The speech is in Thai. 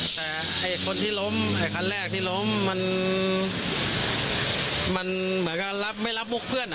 แต่คนที่ล้มคันแรกที่ล้มมันเหมือนกับไม่รับมุกเพื่อน